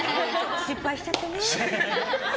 失敗しちゃったね。